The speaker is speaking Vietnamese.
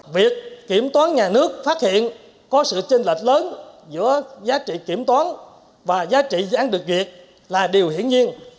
việc kiểm toán nhà nước phát hiện có sự tranh lệch lớn giữa giá trị kiểm toán và giá trị dự án được duyệt là điều hiển nhiên